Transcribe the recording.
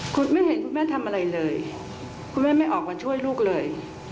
คุณไม่เห็นคุณแม่ทำอะไรเลยคุณแม่ไม่ออกมาช่วยลูกเลย